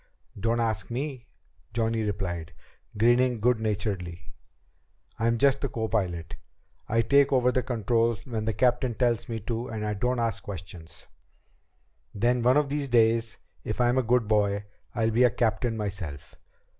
"Don't ask me," Johnny replied, grinning good naturedly, "I'm just the copilot. I take over the controls when the captain tells me to and I don't ask questions. Then one of these days, if I'm a good boy, I'll be a captain myself.